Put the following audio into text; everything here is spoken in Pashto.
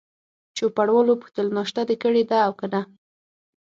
چوپړوال وپوښتل: ناشته دي کړې ده او که نه؟